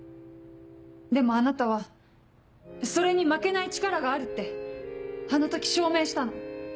でもあなたはそれに負けない力があるってあの時証明したの。